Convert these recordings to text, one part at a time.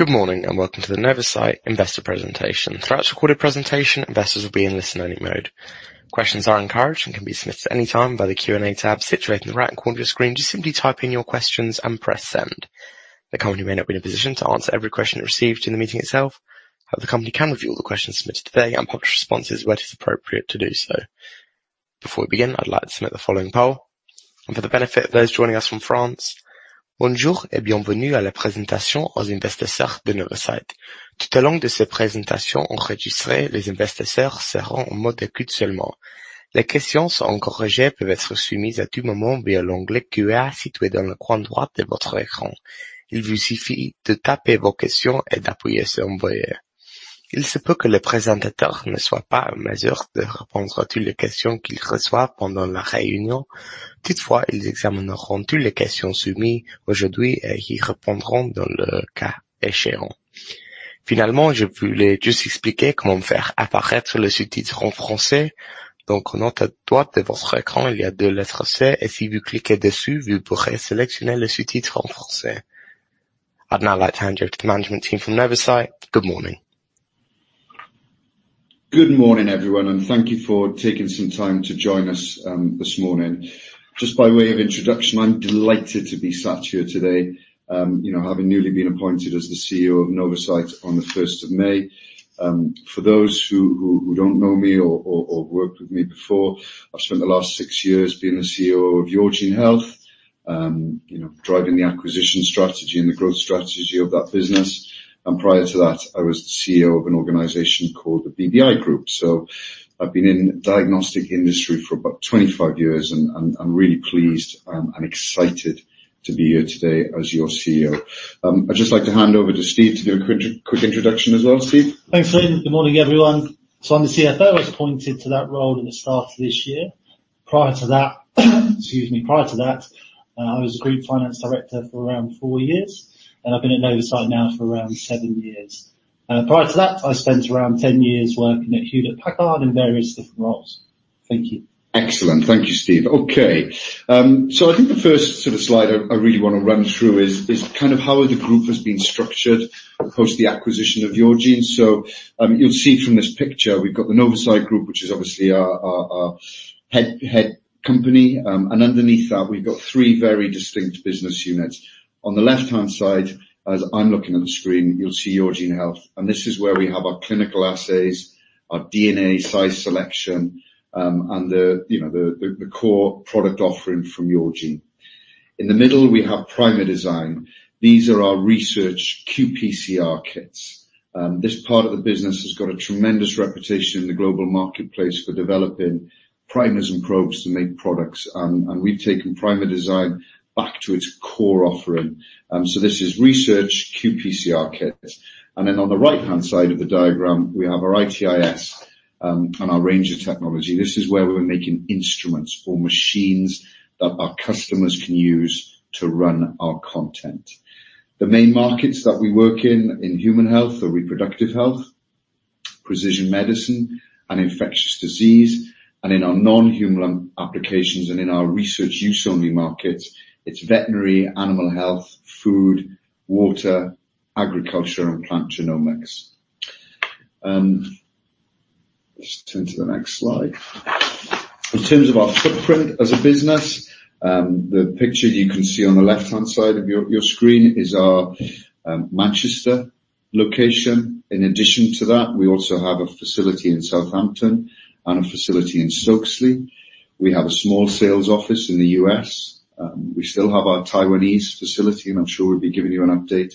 Good morning, and welcome to the Novacyt Investor Presentation. Throughout the recorded presentation, investors will be in listen-only mode. Questions are encouraged and can be submitted at any time by the Q&A tab situated in the right corner of your screen. Just simply type in your questions and press Send. The company may not be in a position to answer every question received in the meeting itself, but the company can review all the questions submitted today and publish responses where it is appropriate to do so. Before we begin, I'd like to submit the following poll, and for the benefit of those joining us from France: I'd now like to hand you over to the management team from Novacyt. Good morning. Good morning, everyone, and thank you for taking some time to join us this morning. Just by way of introduction, I'm delighted to be sat here today, you know, having newly been appointed as the CEO of Novacyt on the first of May. For those who don't know me or worked with me before, I've spent the last 6 years being the CEO of Yourgene Health, you know, driving the acquisition strategy and the growth strategy of that business. And prior to that, I was the CEO of an organization called the BBI Group. So I've been in the diagnostic industry for about 25 years, and I'm really pleased and excited to be here today as your CEO. I'd just like to hand over to Steve to do a quick introduction as well. Steve? Thanks, Lyn. Good morning, everyone. So I'm the CFO. I was appointed to that role at the start of this year. Prior to that, excuse me. Prior to that, I was Group Finance Director for around four years, and I've been at Novacyt now for around seven years. Prior to that, I spent around 10 years working at Hewlett-Packard in various different roles. Thank you. Excellent. Thank you, Steve. Okay. So I think the first sort of slide I really wanna run through is kind of how the group has been structured post the acquisition of Yourgene Health. So, you'll see from this picture, we've got the Novacyt Group, which is obviously our head company. And underneath that, we've got three very distinct business units. On the left-hand side, as I'm looking at the screen, you'll see Yourgene Health, and this is where we have our clinical assays, our DNA size selection, and the, you know, the core product offering from Yourgene Health. In the middle, we have Primerdesign. These are our research qPCR kits. This part of the business has got a tremendous reputation in the global marketplace for developing primers and probes to make products. And we've taken Primerdesign back to its core offering. So this is research qPCR kits. And then, on the right-hand side of the diagram, we have our IT-IS, and our Ranger Technology. This is where we're making instruments or machines that our customers can use to run our content. The main markets that we work in, in human health are reproductive health, precision medicine, and infectious disease, and in our non-human applications, and in our research use-only markets, it's veterinary, animal health, food, water, agriculture, and plant genomics. Just turn to the next slide. In terms of our footprint as a business, the picture you can see on the left-hand side of your screen is our Manchester location. In addition to that, we also have a facility in Southampton and a facility in Stokesley. We have a small sales office in the U.S., we still have our Taiwanese facility, and I'm sure we'll be giving you an update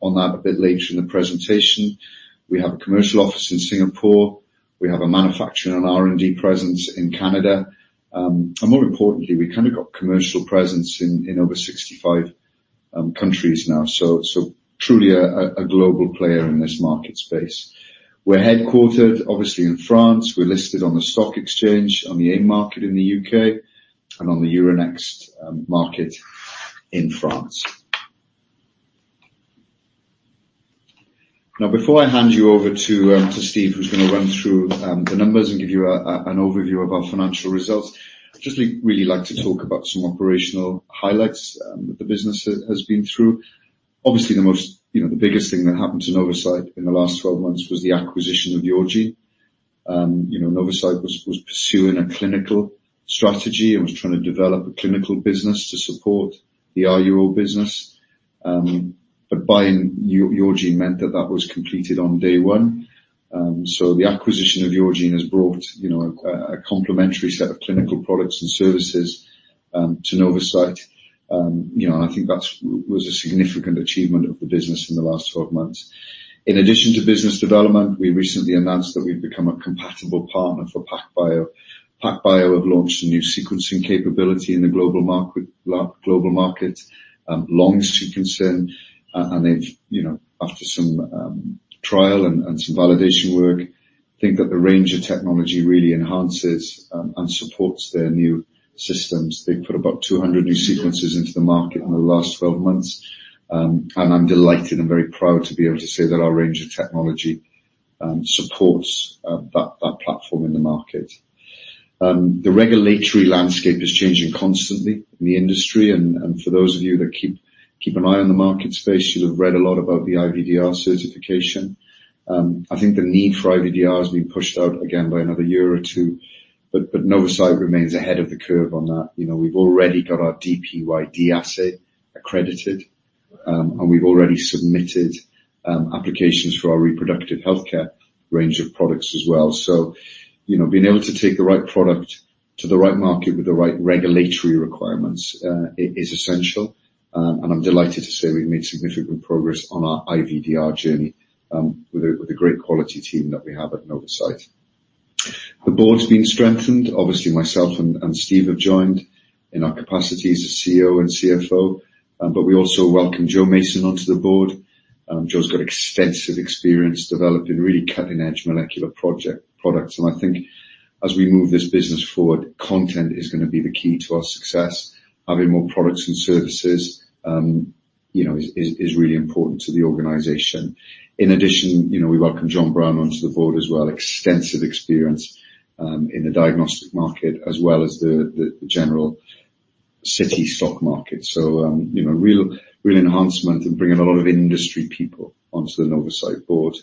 on that a bit later in the presentation. We have a commercial office in Singapore. We have a manufacturing and R&D presence in Canada. And more importantly, we've kind of got commercial presence in over 65 countries now. So truly a global player in this market space. We're headquartered, obviously, in France. We're listed on the stock exchange, on the AIM market in the U.K. and on the Euronext market in France. Now, before I hand you over to Steve, who's gonna run through the numbers and give you an overview of our financial results, I'd just really like to talk about some operational highlights that the business has been through. Obviously, the most... You know, the biggest thing that happened to Novacyt in the last 12 months was the acquisition of Yourgene Health. You know, Novacyt was pursuing a clinical strategy and was trying to develop a clinical business to support the RUO business. But buying Yourgene Health meant that that was completed on day one. So the acquisition of Yourgene Health has brought, you know, a complementary set of clinical products and services to Novacyt. You know, and I think that was a significant achievement of the business in the last 12 months. In addition to business development, we recently announced that we've become a compatible partner for PacBio. PacBio have launched a new sequencing capability in the global market, long sequencing, and they've, you know, after some trial and some validation work, think that the Ranger Technology really enhances and supports their new systems. They've put about 200 new sequences into the market in the last 12 months. And I'm delighted and very proud to be able to say that our Ranger Technology supports that platform in the market. The regulatory landscape is changing constantly in the industry, and for those of you that keep an eye on the market space, you'll have read a lot about the IVDR certification. I think the need for IVDR has been pushed out again by another year or two, but Novacyt remains ahead of the curve on that. You know, we've already got our DPYD assay accredited, and we've already submitted applications for our reproductive healthcare range of products as well. So, you know, being able to take the right product to the right market with the right regulatory requirements is essential. And I'm delighted to say we've made significant progress on our IVDR journey with a great quality team that we have at Novacyt. The board's been strengthened. Obviously, myself and Steve have joined in our capacities as CEO and CFO, but we also welcomed Jo Mason onto the board. Jo's got extensive experience developing really cutting-edge molecular products. I think as we move this business forward, content is gonna be the key to our success. Having more products and services, you know, is really important to the organization. In addition, you know, we welcomed John Brown onto the board as well. Extensive experience in the diagnostic market, as well as the general city stock market. So, you know, real enhancement and bringing a lot of industry people onto the Novacyt board.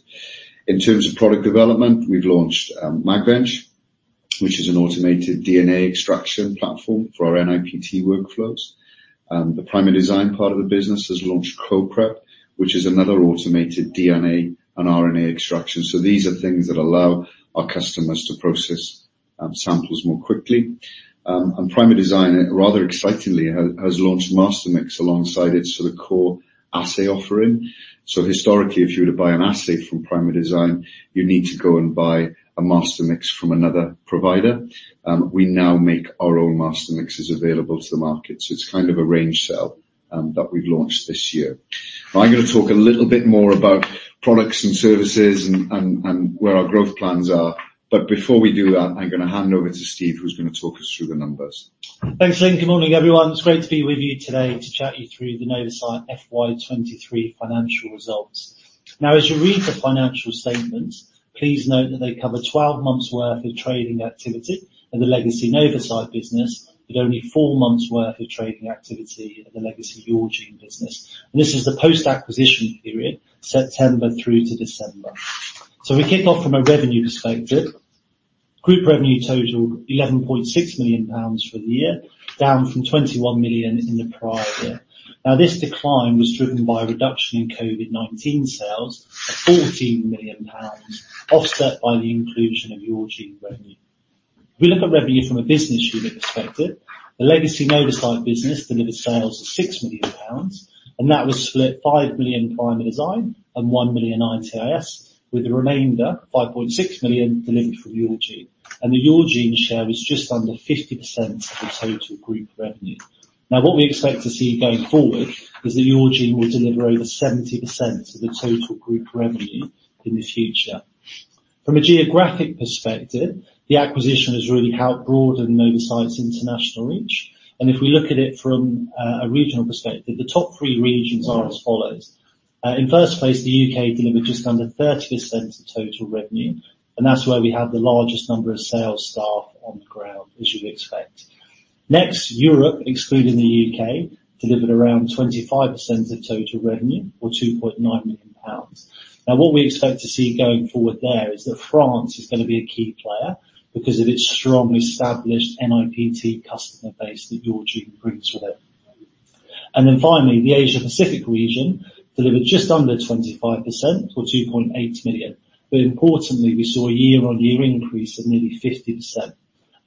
In terms of product development, we've launched MagBench, which is an automated DNA extraction platform for our NIPT workflows. The Primerdesign part of the business has launched CO-Prep, which is another automated DNA and RNA extraction. So these are things that allow our customers to process samples more quickly. Primerdesign, rather excitingly, has launched master mix alongside its sort of core assay offering. So historically, if you were to buy an assay from Primerdesign, you need to go and buy a master mix from another provider. We now make our own master mixes available to the market, so it's kind of a range sell that we've launched this year. I'm gonna talk a little bit more about products and services and where our growth plans are, but before we do that, I'm gonna hand over to Steve, who's gonna talk us through the numbers. Thanks, Lyn. Good morning, everyone. It's great to be with you today to chat you through the Novacyt FY 2023 financial results. Now, as you read the financial statements, please note that they cover 12 months' worth of trading activity in the legacy Novacyt business, with only 4 months' worth of trading activity in the legacy Yourgene business. This is the post-acquisition period, September through to December. So we kick off from a revenue perspective. Group revenue totaled GBP 11.6 million for the year, down from GBP 21 million in the prior year. Now, this decline was driven by a reduction in COVID-19 sales of GBP 14 million, offset by the inclusion of Yourgene revenue. If we look at revenue from a business unit perspective, the legacy Novacyt business delivered sales of 6 million pounds, and that was split 5 million Primerdesign and 1 million IT-IS, with the remainder, 5.6 million, delivered from Yourgene Health. The Yourgene Health share was just under 50% of the total group revenue. Now, what we expect to see going forward, is that Yourgene Health will deliver over 70% of the total group revenue in the future. From a geographic perspective, the acquisition has really helped broaden Novacyt's international reach, and if we look at it from a regional perspective, the top three regions are as follows: In first place, the UK delivered just under 30% of total revenue, and that's where we have the largest number of sales staff on the ground, as you'd expect. Next, Europe, excluding the UK, delivered around 25% of total revenue, or 2.9 million pounds. Now, what we expect to see going forward there, is that France is gonna be a key player because of its strongly established NIPT customer base that Yourgene brings with it. And then finally, the Asia Pacific region delivered just under 25%, or 2.8 million. But importantly, we saw a year-on-year increase of nearly 50%.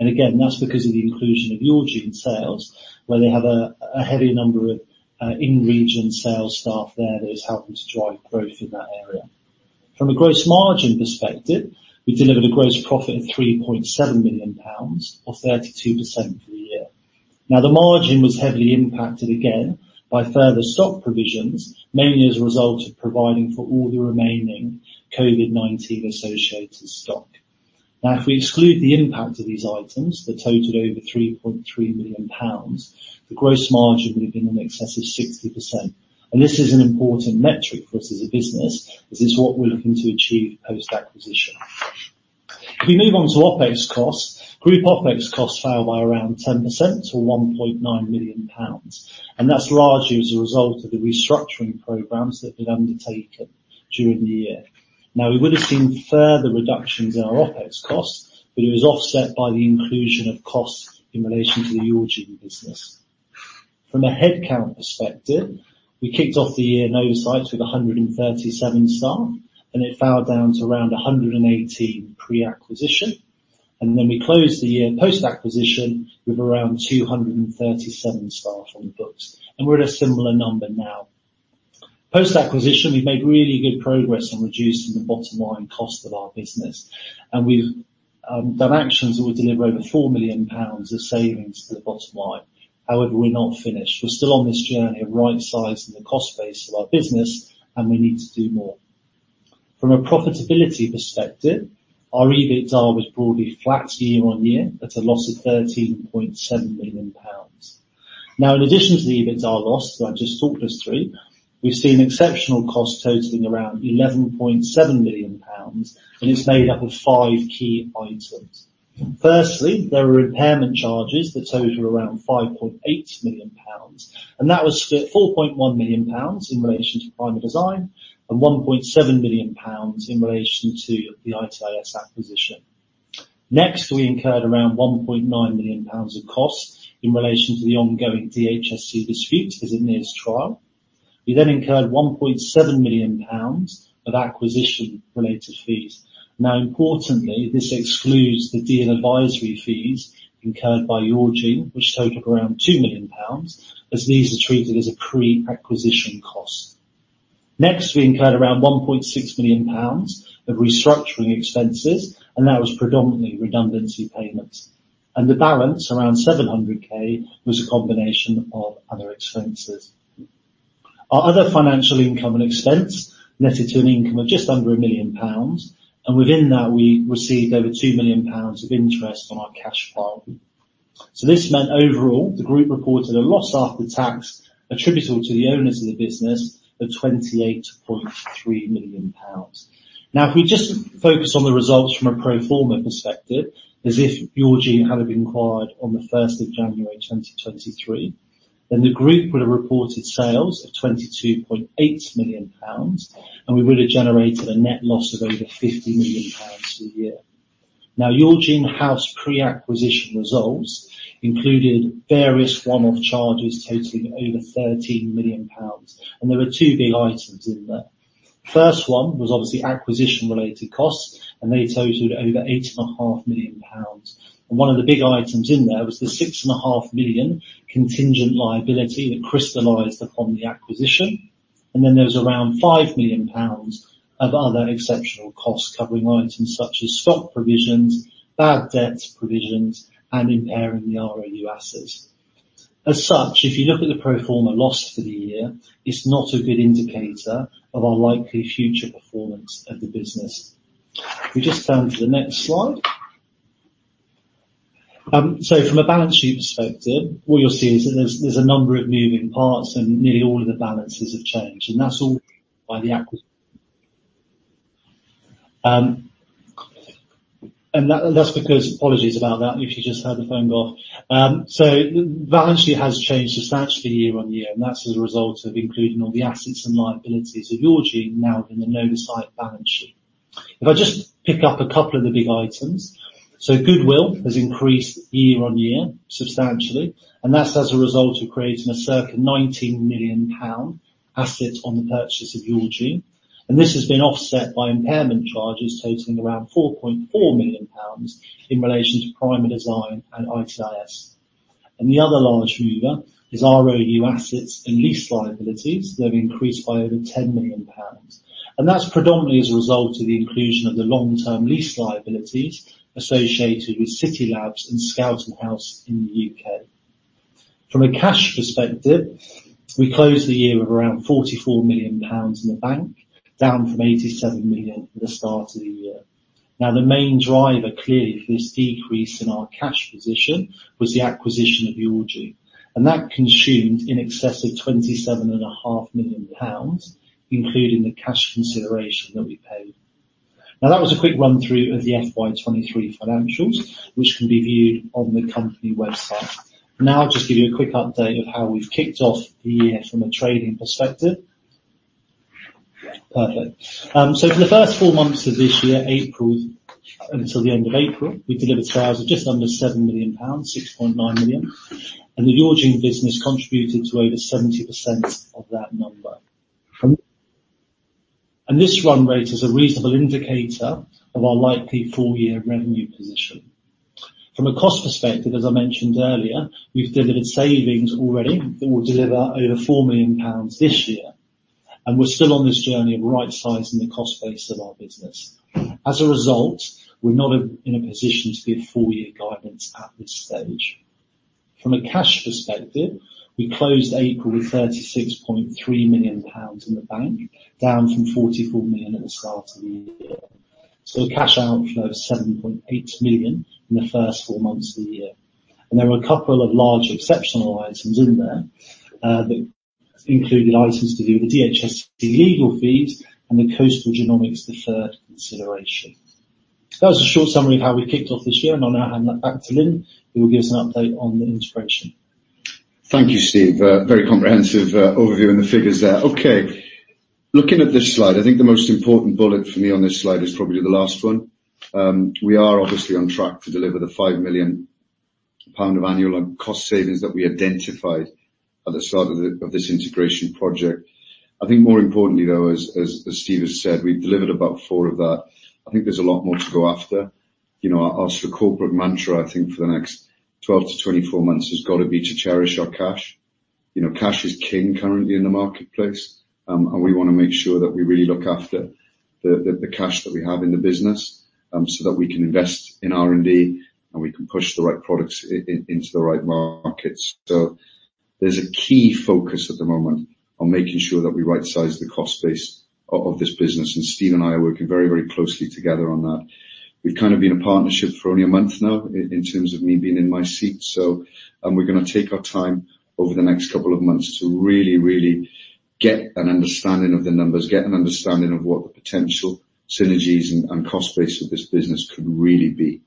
And again, that's because of the inclusion of Yourgene sales, where they have a heavier number of in-region sales staff there that is helping to drive growth in that area. From a gross margin perspective, we delivered a gross profit of 3.7 million pounds, or 32% for the year. Now, the margin was heavily impacted again by further stock provisions, mainly as a result of providing for all the remaining COVID-19 associated stock. Now, if we exclude the impact of these items, that totaled over 3.3 million pounds, the gross margin would have been in excess of 60%. And this is an important metric for us as a business, this is what we're looking to achieve post-acquisition. If we move on to OpEx costs, group OpEx costs fell by around 10% to 1.9 million pounds, and that's largely as a result of the restructuring programs that we've undertaken during the year. Now, we would have seen further reductions in our OpEx costs, but it was offset by the inclusion of costs in relation to the Yourgene Health business. From a headcount perspective, we kicked off the year at Novacyt with 137 staff, and it fell down to around 118 pre-acquisition. And then we closed the year, post-acquisition, with around 237 staff on the books, and we're at a similar number now. Post-acquisition, we've made really good progress on reducing the bottom line cost of our business, and we've done actions that will deliver over 4 million pounds of savings to the bottom line. However, we're not finished. We're still on this journey of right-sizing the cost base of our business, and we need to do more. From a profitability perspective, our EBITDA was broadly flat year-on-year, at a loss of 13.7 million pounds. Now, in addition to the EBITDA loss that I just talked us through, we've seen exceptional costs totaling around 11.7 million pounds, and it's made up of five key items. Firstly, there were impairment charges that totaled around 5.8 million pounds, and that was split 4.1 million pounds in relation to Primerdesign and 1.7 million pounds in relation to the IT-IS acquisition. Next, we incurred around 1.9 million pounds of costs in relation to the ongoing DHSC dispute as it nears trial. We then incurred 1.7 million pounds of acquisition-related fees. Now, importantly, this excludes the deal advisory fees incurred by Yourgene Health, which totaled around 2 million pounds, as these are treated as a pre-acquisition cost. Next, we incurred around 1.6 million pounds of restructuring expenses, and that was predominantly redundancy payments. The balance, around 700,000, was a combination of other expenses. Our other financial income and expense netted to an income of just under 1 million pounds, and within that, we received over 2 million pounds of interest on our cash pile. So this meant overall, the group reported a loss after tax attributable to the owners of the business of 28.3 million pounds. Now, if we just focus on the results from a pro forma perspective, as if Yourgene Health had been acquired on the first of January, 2023, then the group would have reported sales of 22.8 million pounds, and we would have generated a net loss of over 50 million pounds for the year. Now, Yourgene Health in-house pre-acquisition results included various one-off charges totaling over 13 million pounds, and there were two big items in there. First one was obviously acquisition-related costs, and they totaled over 8.5 million pounds. And one of the big items in there was the 6.5 million contingent liability that crystallized upon the acquisition. And then there was around 5 million pounds of other exceptional costs, covering items such as stock provisions, bad debts provisions, and impairing the ROU assets. As such, if you look at the pro forma loss for the year, it's not a good indicator of our likely future performance of the business. Can we just turn to the next slide? So from a balance sheet perspective, what you'll see is that there's a number of moving parts, and nearly all of the balances have changed, and that's all by the acquisition. And that's because—Apologies about that, if you just heard the phone go off. So the balance sheet has changed substantially year-on-year, and that's as a result of including all the assets and liabilities of Yourgene Health now in the Novacyt balance sheet. If I just pick up a couple of the big items. Goodwill has increased year-on-year, substantially, and that's as a result of creating a circa 19 million pound asset on the purchase of Yourgene Health. And this has been offset by impairment charges totaling around 4.4 million pounds in relation to Primerdesign and IT-IS. And the other large mover is ROU assets and lease liabilities that have increased by over 10 million pounds. And that's predominantly as a result of the inclusion of the long-term lease liabilities associated with Citylabs and Skelton House in the UK. From a cash perspective, we closed the year with around 44 million pounds in the bank, down from 87 million at the start of the year. Now, the main driver, clearly, for this decrease in our cash position was the acquisition of Yourgene Health, and that consumed in excess of 27.5 million pounds, including the cash consideration that we paid. Now, that was a quick run through of the FY 2023 financials, which can be viewed on the company website. Now, I'll just give you a quick update of how we've kicked off the year from a trading perspective. Perfect. So for the first four months of this year, April, until the end of April, we delivered sales of just under 7 million pounds, 6.9 million, and the Yourgene Health business contributed to over 70% of that number. This run rate is a reasonable indicator of our likely full year revenue position. From a cost perspective, as I mentioned earlier, we've delivered savings already that will deliver over 4 million pounds this year, and we're still on this journey of right sizing the cost base of our business. As a result, we're not in a position to give full year guidance at this stage. From a cash perspective, we closed April with 36.3 million pounds in the bank, down from 44 million at the start of the year. So cash outflow of 7.8 million in the first 4 months of the year. There were a couple of large exceptional items in there that include items to do with the DHSC legal fees and the Coastal Genomics deferred consideration. That was a short summary of how we kicked off this year, and I'll now hand that back to Lyn, who will give us an update on the integration. Thank you, Steve. Very comprehensive overview on the figures there. Okay, looking at this slide, I think the most important bullet for me on this slide is probably the last one. We are obviously on track to deliver the 5 million pound of annual on cost savings that we identified at the start of the, of this integration project. I think more importantly, though, as, as, as Steve has said, we've delivered about 4 of that. I think there's a lot more to go after. You know, our, our corporate mantra, I think, for the next 12-24 months, has got to be to cherish our cash. You know, cash is king currently in the marketplace, and we wanna make sure that we really look after the cash that we have in the business, so that we can invest in R&D, and we can push the right products into the right markets. So there's a key focus at the moment on making sure that we rightsize the cost base of this business, and Steve and I are working very, very closely together on that. We've kind of been a partnership for only a month now, in terms of me being in my seat. So, we're gonna take our time over the next couple of months to really, really get an understanding of the numbers, get an understanding of what the potential synergies and cost base of this business could really be.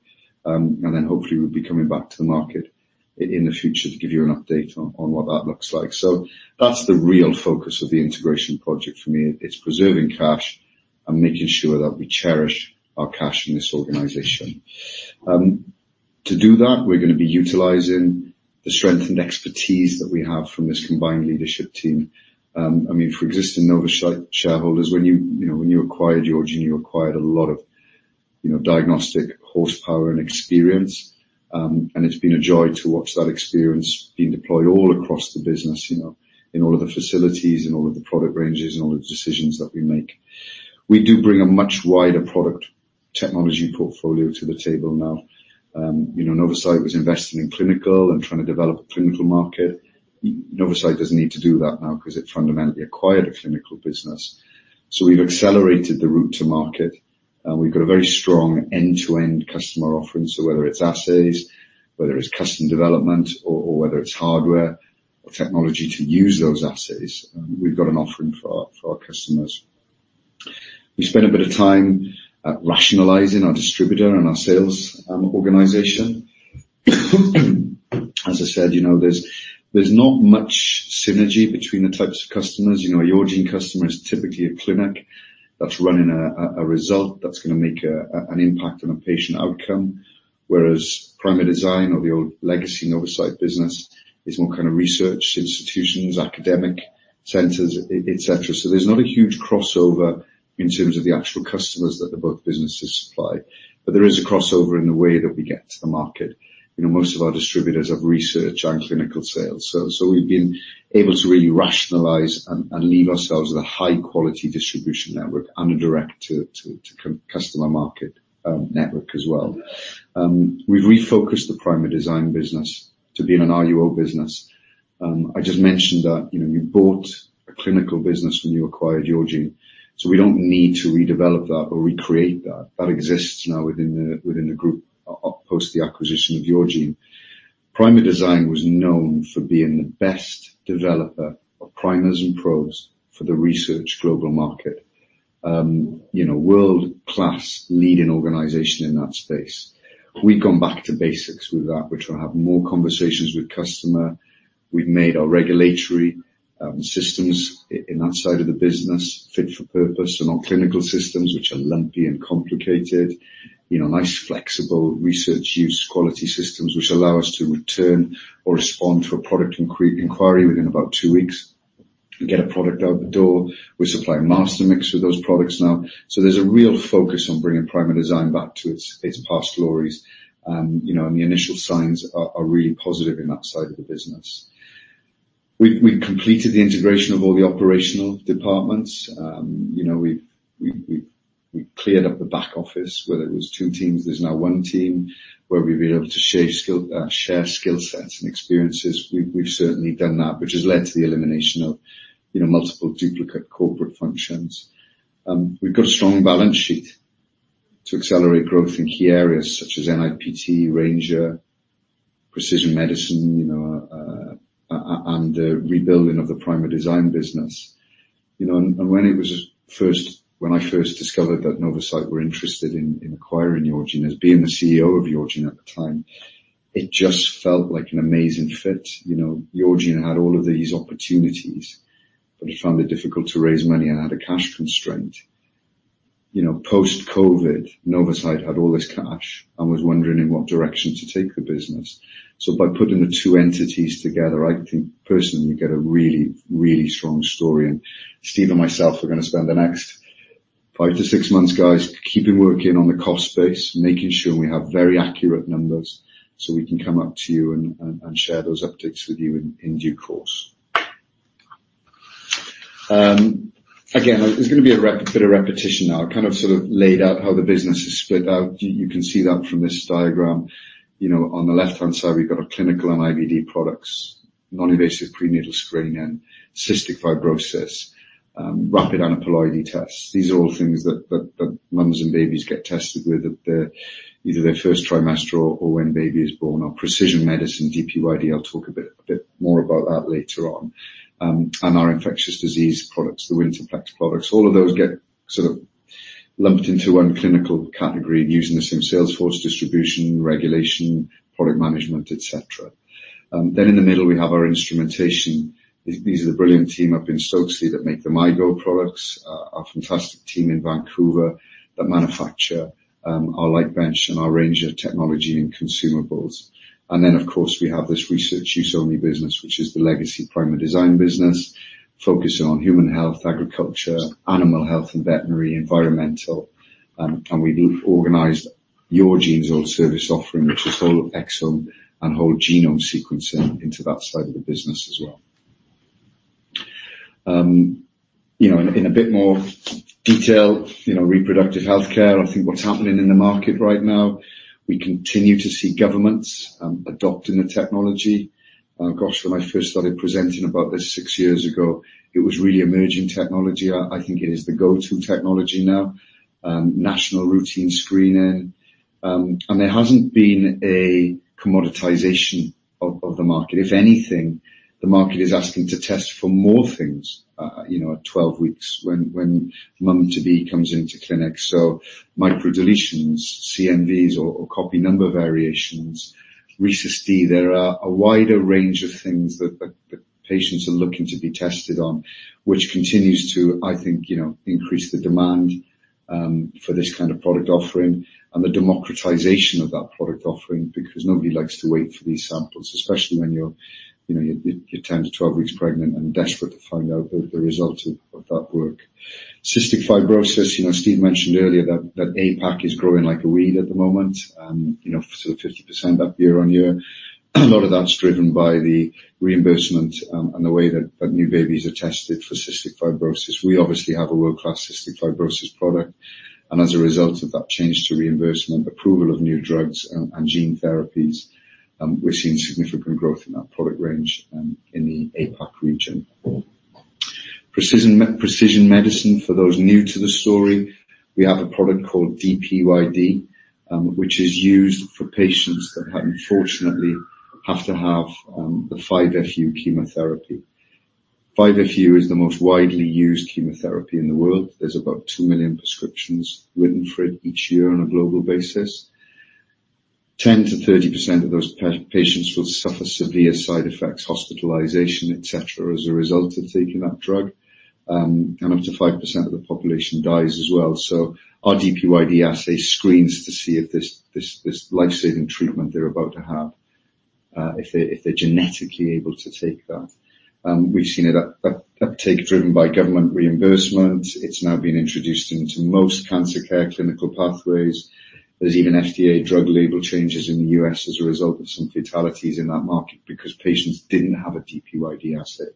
Then hopefully, we'll be coming back to the market in the future to give you an update on what that looks like. So that's the real focus of the integration project for me. It's preserving cash and making sure that we cherish our cash in this organization. To do that, we're gonna be utilizing the strength and expertise that we have from this combined leadership team. I mean, for existing Novacyt shareholders, when you, you know, when you acquired Yourgene, you acquired a lot of, you know, diagnostic horsepower and experience. And it's been a joy to watch that experience being deployed all across the business, you know, in all of the facilities, in all of the product ranges, in all of the decisions that we make. We do bring a much wider product technology portfolio to the table now. You know, Novacyt was investing in clinical and trying to develop a clinical market. Novacyt doesn't need to do that now 'cause it fundamentally acquired a clinical business. So we've accelerated the route to market, and we've got a very strong end-to-end customer offering. So whether it's assays, whether it's custom development, or, or whether it's hardware or technology to use those assays, we've got an offering for our, for our customers. We spent a bit of time at rationalizing our distributor and our sales, organization. As I said, you know, there's not much synergy between the types of customers. You know, a Yourgene customer is typically a clinic that's running a result that's gonna make an impact on a patient outcome, whereas Primerdesign or the old legacy Novacyt business is more kind of research institutions, academic centers, et cetera. So there's not a huge crossover in terms of the actual customers that both businesses supply, but there is a crossover in the way that we get to the market. You know, most of our distributors have research and clinical sales, so we've been able to really rationalize and leave ourselves with a high-quality distribution network and a direct-to-customer market network as well. We've refocused the Primerdesign business to being an RUO business. I just mentioned that, you know, we bought a clinical business when you acquired Yourgene, so we don't need to redevelop that or recreate that. That exists now within the group, post the acquisition of Yourgene. Primerdesign was known for being the best developer of primers and probes for the research global market. You know, world-class leading organization in that space. We've gone back to basics with that, which will have more conversations with customer. We've made our regulatory systems in that side of the business fit for purpose, and our clinical systems, which are lumpy and complicated, you know, nice, flexible research-use quality systems, which allow us to return or respond to a product inquiry within about two weeks and get a product out the door. We supply master mix with those products now. So there's a real focus on bringing Primerdesign back to its past glories. You know, and the initial signs are really positive in that side of the business. We've completed the integration of all the operational departments. You know, we've cleared up the back office, whether it was two teams, there's now one team, where we've been able to share skill sets and experiences. We've certainly done that, which has led to the elimination of, you know, multiple duplicate corporate functions. We've got a strong balance sheet to accelerate growth in key areas such as NIPT, Ranger, precision medicine, you know, and the rebuilding of the Primerdesign business. You know, and when I first discovered that Novacyt were interested in acquiring Yourgene Health, as being the CEO of Yourgene Health at the time, it just felt like an amazing fit. You know, Yourgene Health had all of these opportunities, but I found it difficult to raise money and had a cash constraint. You know, post-COVID, Novacyt had all this cash and was wondering in what direction to take the business. So by putting the two entities together, I think personally, you get a really, really strong story, and Steve and myself are gonna spend the next five to six months, guys, keeping working on the cost base, making sure we have very accurate numbers, so we can come up to you and share those updates with you in due course. Again, there's gonna be a bit of repetition now. I kind of sort of laid out how the business is split out. You can see that from this diagram. You know, on the left-hand side, we've got our clinical and IVD products, non-invasive prenatal screening, and cystic fibrosis, rapid aneuploidy tests. These are all things that mums and babies get tested with at their either their first trimester or when baby is born. Our precision medicine, DPYD, I'll talk a bit more about that later on. And our infectious disease products, the Winterplex products, all of those get sort of lumped into one clinical category using the same sales force, distribution, regulation, product management, et cetera. Then in the middle, we have our instrumentation. These are the brilliant team up in Stokesley that make the MyGo products, our fantastic team in Vancouver that manufacture our LightBench and our Ranger Technology and consumables. And then, of course, we have this research-use-only business, which is the legacy Primerdesign business, focusing on human health, agriculture, animal health and veterinary, environmental. And we've organized Yourgene's old service offering, which is whole exome and whole genome sequencing into that side of the business as well. You know, in a bit more detail, you know, reproductive healthcare, I think what's happening in the market right now, we continue to see governments adopting the technology. Gosh, when I first started presenting about this 6 years ago, it was really emerging technology. I think it is the go-to technology now, national routine screening. And there hasn't been a commoditization of the market. If anything, the market is asking to test for more things, you know, at 12 weeks when mum-to-be comes into clinic. So microdeletions, CNVs, or copy number variations, Rhesus D. There are a wider range of things that patients are looking to be tested on, which continues to, I think, you know, increase the demand for this kind of product offering and the democratization of that product offering, because nobody likes to wait for these samples, especially when you're, you know, you're 10-12 weeks pregnant and desperate to find out the results of that work. cystic fibrosis, you know, Steve mentioned earlier that APAC is growing like a weed at the moment, you know, sort of 50% up year-on-year. A lot of that's driven by the reimbursement and the way that new babies are tested for cystic fibrosis. We obviously have a world-class cystic fibrosis product, and as a result of that change to reimbursement, approval of new drugs and gene therapies, we've seen significant growth in that product range in the APAC region. Precision medicine, for those new to the story, we have a product called DPYD, which is used for patients that unfortunately have to have the 5-FU chemotherapy. 5-FU is the most widely used chemotherapy in the world. There's about 2 million prescriptions written for it each year on a global basis. 10%-30% of those patients will suffer severe side effects, hospitalization, et cetera, as a result of taking that drug, and up to 5% of the population dies as well. So our DPYD assay screens to see if this life-saving treatment they're about to have, if they're genetically able to take that. We've seen it uptake driven by government reimbursement. It's now been introduced into most cancer care clinical pathways. There's even FDA drug label changes in the U.S. as a result of some fatalities in that market because patients didn't have a DPYD assay.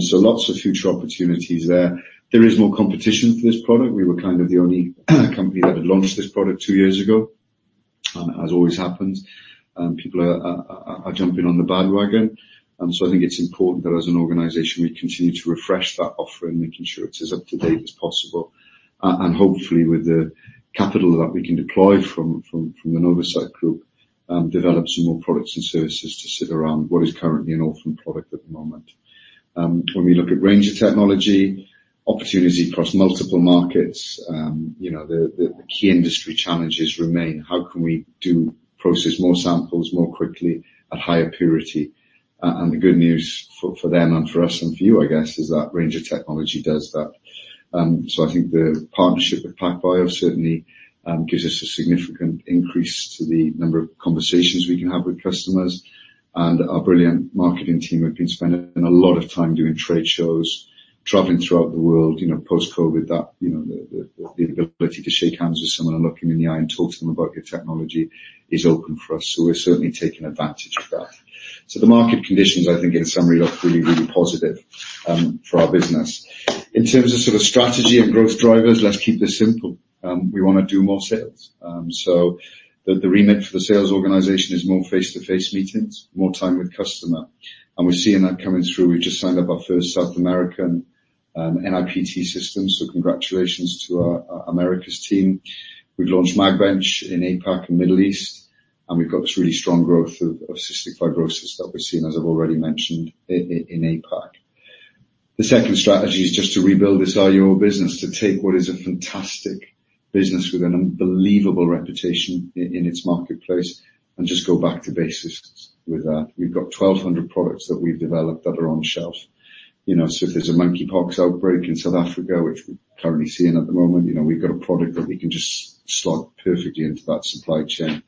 So lots of future opportunities there. There is more competition for this product. We were kind of the only company that had launched this product two years ago. As always happens, people are jumping on the bandwagon. So, I think it's important that as an organization, we continue to refresh that offering, making sure it is up to date as possible, and hopefully with the capital that we can deploy from the Novacyt Group, develop some more products and services to sit around what is currently an orphan product at the moment. When we look at Ranger Technology, opportunity across multiple markets, you know, the key industry challenges remain: How can we process more samples more quickly at higher purity? And the good news for them, and for us, and for you, I guess, is that Ranger Technology does that. So I think the partnership with PacBio certainly gives us a significant increase to the number of conversations we can have with customers, and our brilliant marketing team have been spending a lot of time doing trade shows, traveling throughout the world, you know, post-COVID, that, you know, the ability to shake hands with someone and look them in the eye and talk to them about your technology is open for us, so we're certainly taking advantage of that. So the market conditions, I think, in summary, look really, really positive for our business. In terms of sort of strategy and growth drivers, let's keep this simple. We wanna do more sales. So the remit for the sales organization is more face-to-face meetings, more time with customer, and we're seeing that coming through. We've just signed up our first South American NIPT system, so congratulations to our Americas team. We've launched MagBench in APAC and Middle East, and we've got this really strong growth of cystic fibrosis that we've seen, as I've already mentioned, in APAC. The second strategy is just to rebuild this RUO business, to take what is a fantastic business with an unbelievable reputation in its marketplace, and just go back to basics with that. We've got 1,200 products that we've developed that are on shelf. You know, so if there's a monkeypox outbreak in South Africa, which we're currently seeing at the moment, you know, we've got a product that we can just slot perfectly into that supply chain.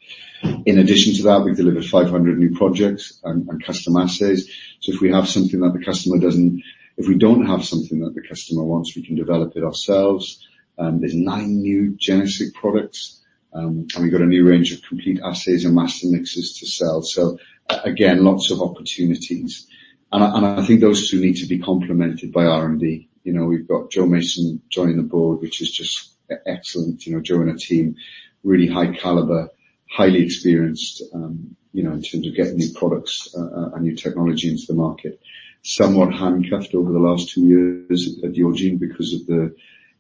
In addition to that, we've delivered 500 new projects and custom assays, so if we have something that the customer doesn't, if we don't have something that the customer wants, we can develop it ourselves. There's nine new genetic products, and we've got a new range of complete assays and master mixes to sell. So again, lots of opportunities. And I think those two need to be complemented by R&D. You know, we've got Jo Mason joining the board, which is just excellent, you know, Jo and her team, really high caliber, highly experienced, you know, in terms of getting new products and new technology into the market. Somewhat handcuffed over the last two years at Yourgene because of the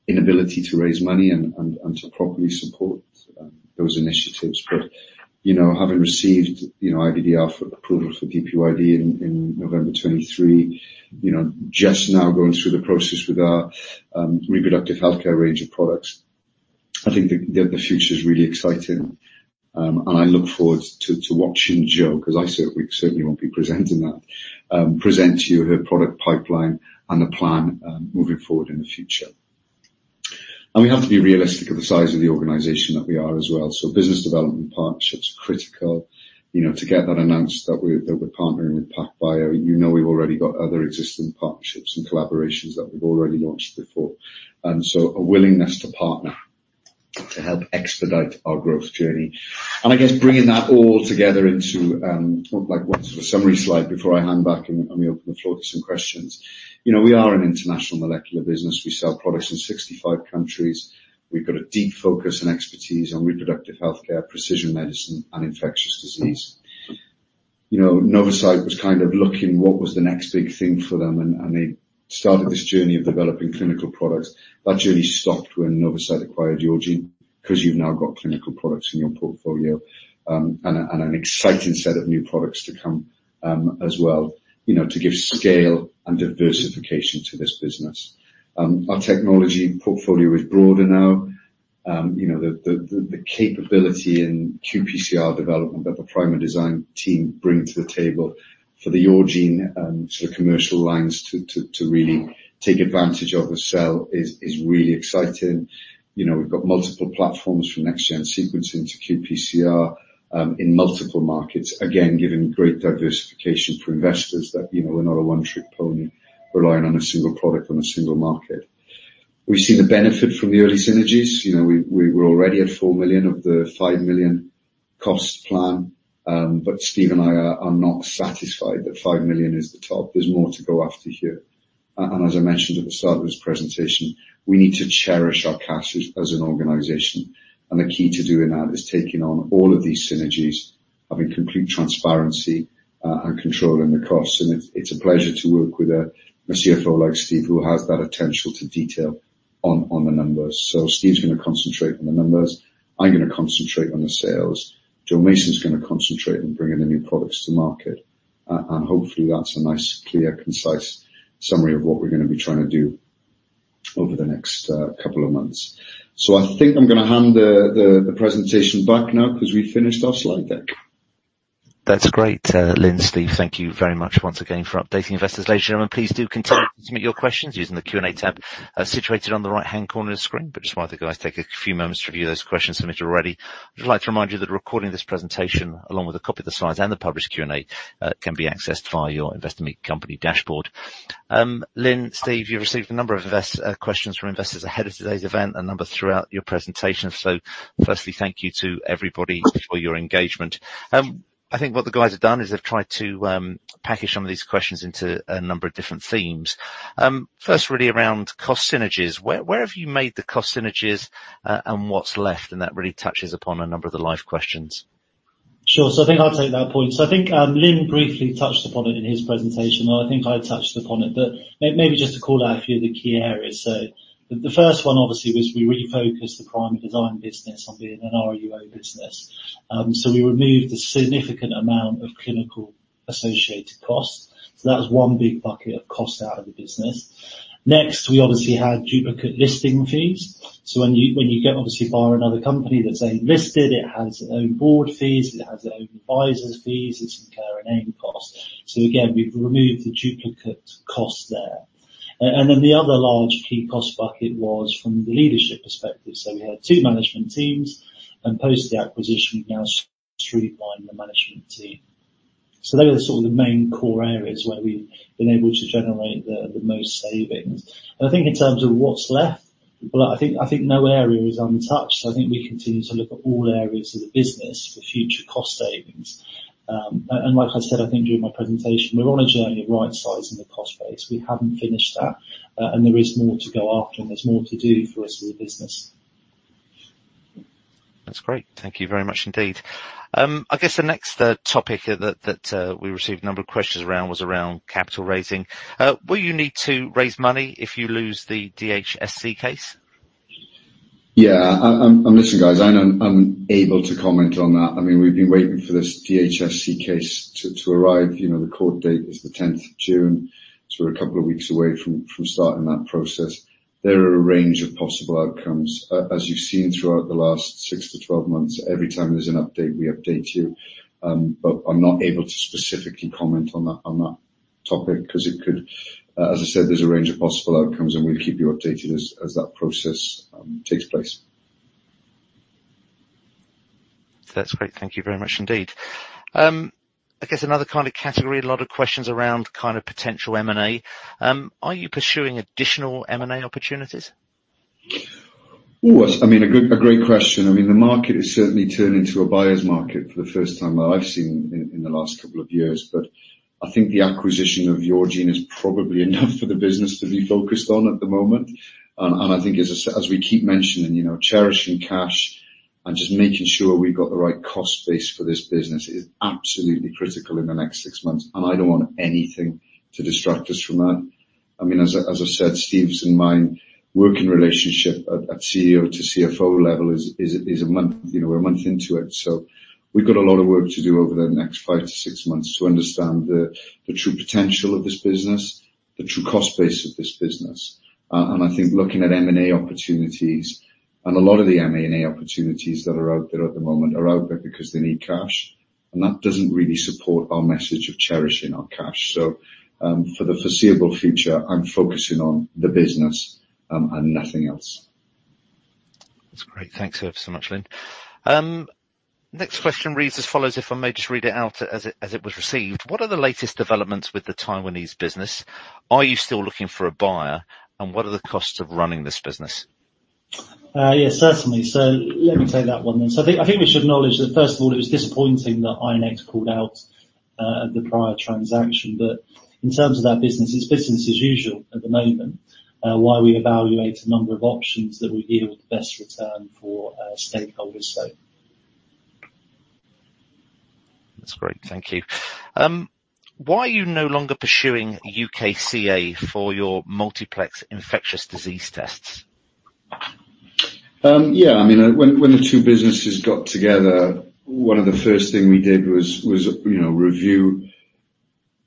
inability to raise money and to properly support those initiatives. But, you know, having received, you know, IVD approval for DPYD in November 2023, you know, just now going through the process with our reproductive healthcare range of products, I think the future is really exciting. And I look forward to watching Jo, 'cause I certainly won't be presenting that, present to you her product pipeline and the plan moving forward in the future. And we have to be realistic of the size of the organization that we are as well, so business development partnerships are critical. You know, to get that announced that we're partnering with PacBio, you know, we've already got other existing partnerships and collaborations that we've already launched before, and so a willingness to partner to help expedite our growth journey. I guess, bringing that all together into more like one sort of summary slide before I hand back and we open the floor to some questions. You know, we are an international molecular business. We sell products in 65 countries. We've got a deep focus and expertise on reproductive healthcare, precision medicine, and infectious disease. You know, Novacyt was kind of looking what was the next big thing for them, and they started this journey of developing clinical products. That journey stopped when Novacyt acquired Yourgene Health, 'cause you've now got clinical products in your portfolio, and an exciting set of new products to come, as well, you know, to give scale and diversification to this business. Our technology portfolio is broader now. You know, the capability in qPCR development that the Primerdesign team bring to the table for the Yourgene, sort of commercial lines to really take advantage of and sell is really exciting. You know, we've got multiple platforms from next-gen sequencing to qPCR in multiple markets. Again, giving great diversification for investors that, you know, we're not a one-trick pony relying on a single product on a single market. We've seen the benefit from the early synergies. You know, we're already at 4 million of the 5 million cost plan. But Steve and I are not satisfied that 5 million is the top. There's more to go after here. And as I mentioned at the start of this presentation, we need to cherish our cash as an organization, and the key to doing that is taking on all of these synergies, having complete transparency, and controlling the costs. And it's a pleasure to work with a CFO like Steve, who has that attention to detail on the numbers. So Steve's gonna concentrate on the numbers. I'm gonna concentrate on the sales. Jo Mason's gonna concentrate on bringing the new products to market. And hopefully, that's a nice, clear, concise summary of what we're gonna be trying to do over the next couple of months. So I think I'm gonna hand the presentation back now, 'cause we've finished our slide deck. That's great. Lyn, Steve, thank you very much once again for updating investors today. Gentlemen, please do continue to submit your questions using the Q&A tab, situated on the right-hand corner of the screen. But just while the guys take a few moments to review those questions submitted already, I'd just like to remind you that a recording of this presentation, along with a copy of the slides and the published Q&A, can be accessed via your Investor Meet company dashboard. Lyn, Steve, you've received a number of investor questions from investors ahead of today's event, a number throughout your presentation. So firstly, thank you to everybody for your engagement. I think what the guys have done is they've tried to package some of these questions into a number of different themes. First, really around cost synergies. Where, where have you made the cost synergies, and what's left? That really touches upon a number of the life questions. Sure. So I think I'll take that point. So I think, Lyn briefly touched upon it in his presentation, and I think I touched upon it, but maybe just to call out a few of the key areas. So the first one, obviously, was we refocused the Primerdesign business on being an RUO business. So we removed a significant amount of clinical associated costs. So that was one big bucket of cost out of the business. Next, we obviously had duplicate listing fees. So when you go, obviously, buy another company that's also listed, it has its own board fees, it has its own advisors' fees, it's corporate and AIM costs. So again, we've removed the duplicate costs there. And then, the other large key cost bucket was from the leadership perspective. So we had two management teams, and post the acquisition, we've now streamlined the management team. So they are sort of the main core areas where we've been able to generate the, the most savings. And I think in terms of what's left, well, I think, I think no area is untouched. So I think we continue to look at all areas of the business for future cost savings. And like I said, I think during my presentation, we're on a journey of right-sizing the cost base. We haven't finished that, and there is more to go after, and there's more to do for us as a business. That's great. Thank you very much indeed. I guess the next topic that we received a number of questions around was around capital raising. Will you need to raise money if you lose the DHSC case? Yeah. I'm listening, guys. I'm unable to comment on that. I mean, we've been waiting for this DHSC case to arrive. You know, the court date is the tenth of June, so we're a couple of weeks away from starting that process. There are a range of possible outcomes. As you've seen throughout the last 6-12 months, every time there's an update, we update you. But I'm not able to specifically comment on that topic, 'cause it could... As I said, there's a range of possible outcomes, and we'll keep you updated as that process takes place. That's great. Thank you very much indeed. I guess another kind of category, a lot of questions around kind of potential M&A. Are you pursuing additional M&A opportunities? Ooh, that's, I mean, a great question. I mean, the market has certainly turned into a buyer's market for the first time that I've seen in the last couple of years. But I think the acquisition of Yourgene is probably enough for the business to be focused on at the moment. And I think, as we keep mentioning, you know, cherishing cash and just making sure we've got the right cost base for this business is absolutely critical in the next six months, and I don't want anything to distract us from that. I mean, as I said, Steve's and mine working relationship at CEO to CFO level is a month, you know, we're a month into it. So we've got a lot of work to do over the next 5-6 months to understand the true potential of this business, the true cost base of this business. And I think looking at M&A opportunities, and a lot of the M&A opportunities that are out there at the moment are out there because they need cash, and that doesn't really support our message of cherishing our cash. For the foreseeable future, I'm focusing on the business, and nothing else. That's great. Thanks ever so much, Lyn. Next question reads as follows, if I may just read it out as it, as it was received: What are the latest developments with the Taiwanese business? Are you still looking for a buyer, and what are the costs of running this business? Yes, certainly. So let me take that one then. So I think, I think we should acknowledge that, first of all, it was disappointing that INEX called out the prior transaction, but in terms of that business, it's business as usual at the moment, while we evaluate a number of options that will deal with the best return for our stakeholders, so. That's great. Thank you. Why are you no longer pursuing UKCA for your multiplex infectious disease tests? Yeah, I mean, when the two businesses got together, one of the first thing we did was, you know, review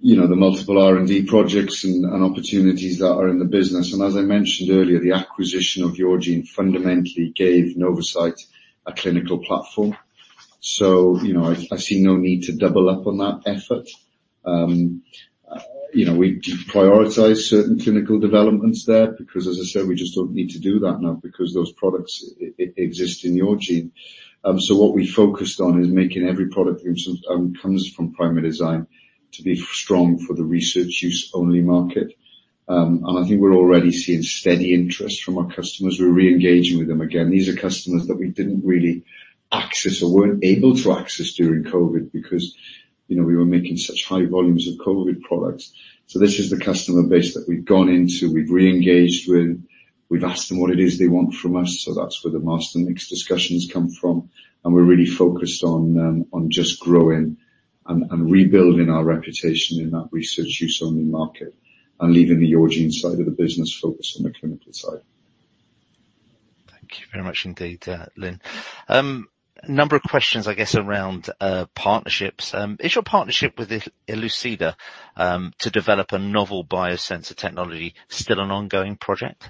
the multiple R&D projects and opportunities that are in the business. And as I mentioned earlier, the acquisition of Yourgene fundamentally gave Novacyt a clinical platform. So, you know, I see no need to double up on that effort. You know, we deprioritized certain clinical developments there, because, as I said, we just don't need to do that now, because those products exist in Yourgene. So what we focused on is making every product which comes from Primerdesign to be strong for the research use only market. And I think we're already seeing steady interest from our customers. We're re-engaging with them again. These are customers that we didn't really access or weren't able to access during COVID because, you know, we were making such high volumes of COVID products. So this is the customer base that we've gone into, we've re-engaged with. We've asked them what it is they want from us, so that's where the master mix discussions come from, and we're really focused on just growing and rebuilding our reputation in that research-use-only market, and leaving the Yourgene side of the business focused on the clinical side. Thank you very much indeed, Lyn. A number of questions, I guess, around, partnerships. Is your partnership with Eluceda, to develop a novel biosensor technology, still an ongoing project?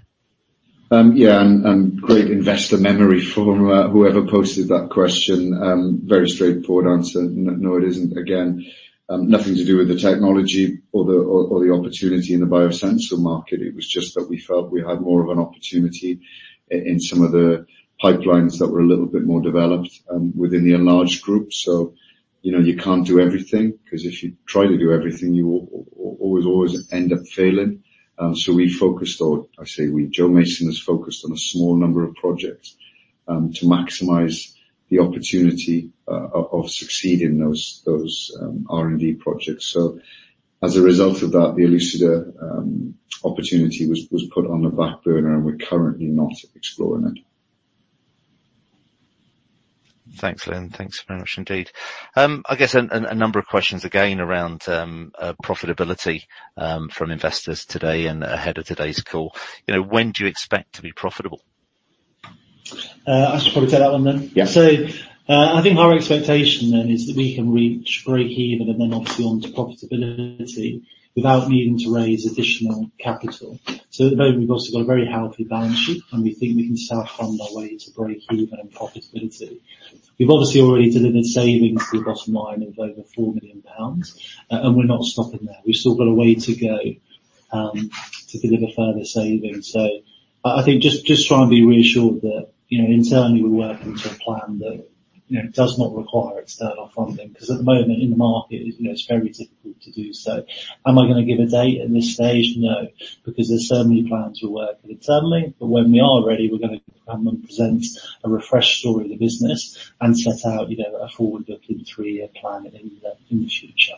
Yeah, and great investor memory from whoever posted that question. Very straightforward answer. No, it isn't. Again, nothing to do with the technology or the opportunity in the biosensor market. It was just that we felt we had more of an opportunity in some of the pipelines that were a little bit more developed within the enlarged group. So, you know, you can't do everything, 'cause if you try to do everything, you always end up failing. So we focused on, I say we, Jo Mason has focused on a small number of projects to maximize the opportunity of succeeding those R&D projects. So as a result of that, the Eluceda opportunity was put on the back burner, and we're currently not exploring it. Thanks, Lyn. Thanks very much indeed. I guess a number of questions again, around profitability, from investors today and ahead of today's call. You know, when do you expect to be profitable? I should probably take that one then. Yeah. So, I think our expectation then is that we can reach break even, and then obviously on to profitability without needing to raise additional capital. So at the moment, we've obviously got a very healthy balance sheet, and we think we can self-fund our way to break even and profitability. We've obviously already delivered savings to the bottom line of over 4 million pounds, and we're not stopping there. We've still got a way to go to deliver further savings. So I think just try and be reassured that, you know, internally, we're working to a plan that, you know, does not require external funding, 'cause at the moment in the market, you know, it's very difficult to do so. Am I gonna give a date at this stage? No, because there's so many plans we're working internally, but when we are ready, we're gonna come and present a refreshed story of the business and set out, you know, a forward-looking three-year plan in the future.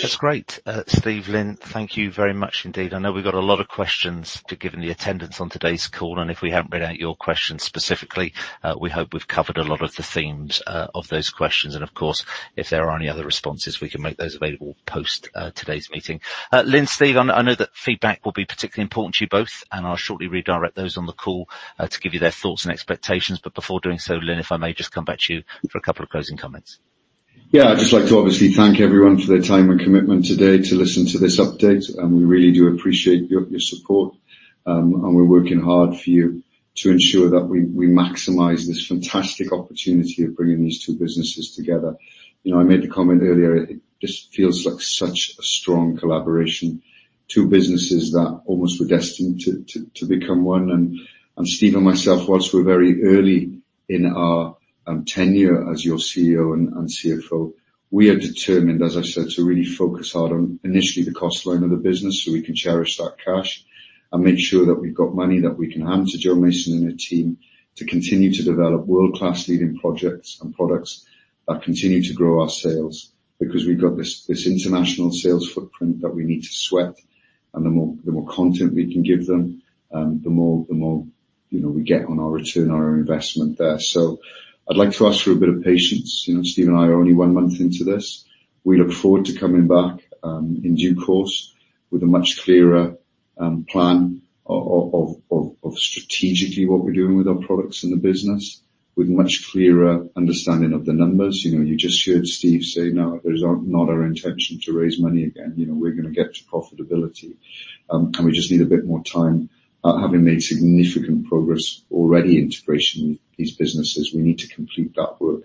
That's great, Steve, Lyn, thank you very much indeed. I know we've got a lot of questions, given the attendance on today's call, and if we haven't read out your question specifically, we hope we've covered a lot of the themes of those questions. And of course, if there are any other responses, we can make those available post today's meeting. Lyn, Steve, I know that feedback will be particularly important to you both, and I'll shortly redirect those on the call to give you their thoughts and expectations, but before doing so, Lyn, if I may just come back to you for a couple of closing comments. Yeah. I'd just like to obviously thank everyone for their time and commitment today to listen to this update, and we really do appreciate your, your support, and we're working hard for you to ensure that we, we maximize this fantastic opportunity of bringing these two businesses together. You know, I made the comment earlier. It just feels like such a strong collaboration, two businesses that almost were destined to become one, and Steve and myself, while we're very early in our tenure as your CEO and CFO, we are determined, as I said, to really focus hard on initially the cost line of the business, so we can cherish that cash and make sure that we've got money that we can hand to Jo Mason and the team to continue to develop world-class leading projects and products that continue to grow our sales, because we've got this international sales footprint that we need to sweat. And the more content we can give them, the more, you know, we get on our return on our investment there. So I'd like to ask for a bit of patience. You know, Steve and I are only one month into this. We look forward to coming back in due course, with a much clearer plan of strategically what we're doing with our products in the business, with much clearer understanding of the numbers. You know, you just heard Steve say, now, it is not our intention to raise money again. You know, we're gonna get to profitability, and we just need a bit more time. Having made significant progress already integrating these businesses, we need to complete that work.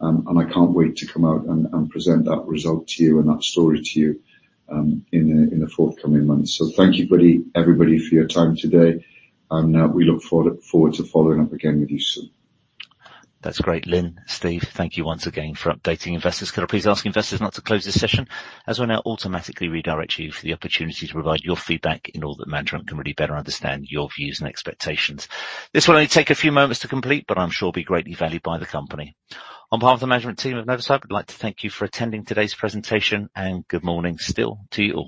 And I can't wait to come out and present that result to you and that story to you in the forthcoming months. So thank you, everybody, for your time today, and we look forward to following up again with you soon. That's great. Lyn, Steve, thank you once again for updating investors. Can I please ask investors not to close this session, as we'll now automatically redirect you for the opportunity to provide your feedback in all that management can really better understand your views and expectations. This will only take a few moments to complete, but I'm sure it'll be greatly valued by the company. On behalf of the management team of Novacyt, I'd like to thank you for attending today's presentation, and good morning still to you all.